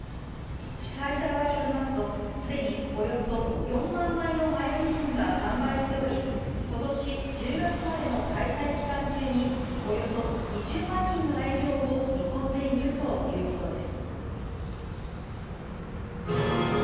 主催者側によりますと、すでにおよそ４万枚の前売り券が完売しており、ことし１０月までの開催期間中に、およそ２０万人の来場を見込んでいるということです。